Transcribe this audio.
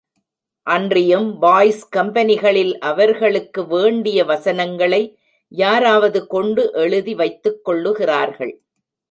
அன்றியும் பாய்ஸ் கம்பெனிகளில், அவர்களுக்கு வேண்டிய வசனங்களை யாரையாவது கொண்டு எழுதி வைத்துக் கொள்ளுகிறார்கள்.